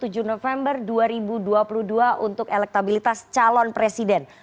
tujuh november dua ribu dua puluh dua untuk elektabilitas calon presiden